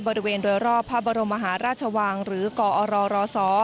บริเวณโดยรอบพระบรมมหาราชวังหรือกอรรศ